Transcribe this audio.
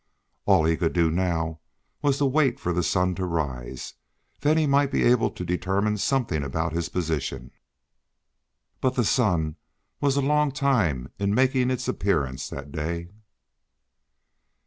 All he could do now was to wait for the sun to rise. Then, he might be able to determine something about his position. But the sun was a long time in making its appearance that day.